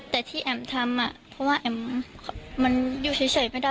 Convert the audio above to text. แต่ที่แอ๋มทำเพราะว่าแอ๋มมันอยู่เฉยไม่ได้